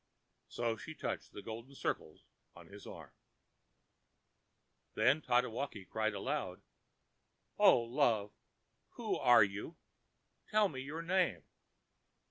ã So she touched the golden circles on his arm. Then Tatewaki cried aloud, ãO love, who are you? Tell me your name....